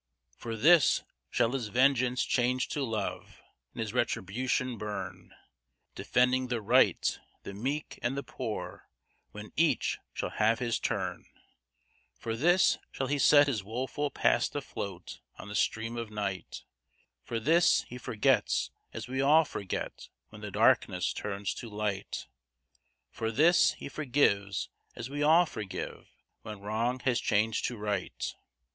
For this, shall his vengeance change to love, and his retribution burn, Defending the right, the weak, and the poor, when each shall have his turn; For this, shall he set his woeful past afloat on the stream of night; For this, he forgets as we all forget when darkness turns to light; For this, he forgives as we all forgive when wrong has changed to right.